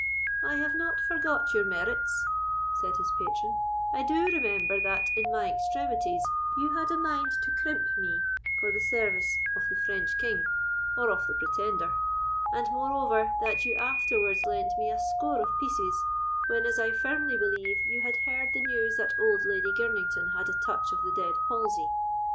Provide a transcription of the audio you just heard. "I have not forgot your merits," said his patron; "I do remember that, in my extremities, you had a mind to crimp me for the service of the French king, or of the Pretender; and, moreover, that you afterwards lent me a score of pieces, when, as I firmly believe, you had heard the news that old Lady Girnington had a touch of the dead palsy.